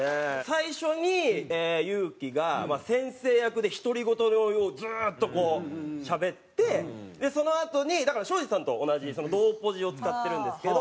最初に有輝が先生役で独り言をずっとこうしゃべってそのあとにだから庄司さんと同じ同ポジを使ってるんですけど。